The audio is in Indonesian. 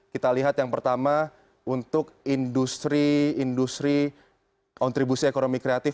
kita lihat yang pertama untuk industri industri kontribusi ekonomi kreatif